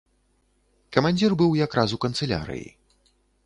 Камандзір быў якраз у канцылярыі.